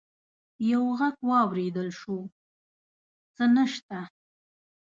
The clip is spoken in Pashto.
يو غږ واورېدل شو: څه نشته!